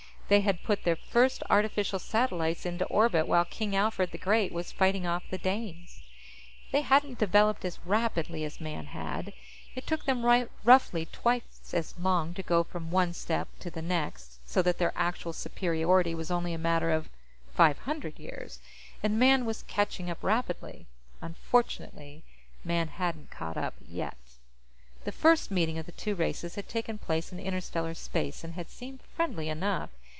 They had put their first artificial satellites into orbit while King Alfred the Great was fighting off the Danes. They hadn't developed as rapidly as Man had. It took them roughly twice as long to go from one step to the next, so that their actual superiority was only a matter of five hundred years, and Man was catching up rapidly. Unfortunately, Man hadn't caught up yet. The first meeting of the two races had taken place in interstellar space, and had seemed friendly enough.